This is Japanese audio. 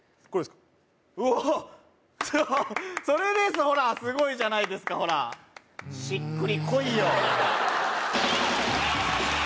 すごいそれですほらすごいじゃないですかほらしっくりこいよ